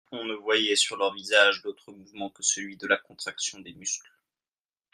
On ne voyait sur leurs visages d'autre mouvement que celui de la contraction des muscles.